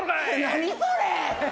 何それ！？